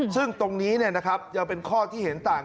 ซึ่งตรงนี้ยังเป็นข้อที่เห็นต่าง